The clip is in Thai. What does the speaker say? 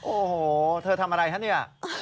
โอ้โหเธอทำอะไรฮะเนี่ย